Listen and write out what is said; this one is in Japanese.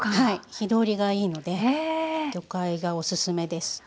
火通りがいいので魚介がおすすめです。